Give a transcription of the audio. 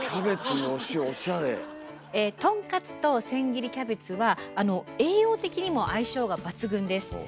とんかつと千切りキャベツは栄養的にも相性が抜群です。